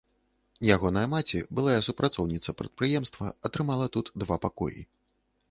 Ягоная маці, былая супрацоўніца прадпрыемства, атрымала тут два пакоі.